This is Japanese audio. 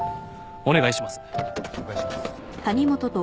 ・お願いします。